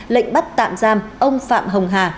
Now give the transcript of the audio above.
lệnh bắt tạm giam ông phạm hồng hà